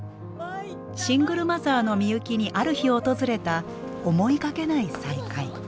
シングルマザーのミユキにある日訪れた思いがけない再会。